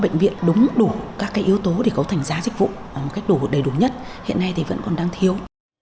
bệnh viện đúng đủ các cái yếu tố để cấu thành giá dịch vụ đầy đủ nhất hiện nay thì vẫn còn đang thiếu